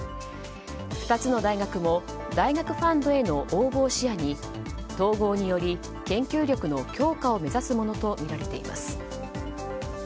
２つの大学も大学ファンドへの応募を視野に統合により研究力の強化を目指すものとみられています。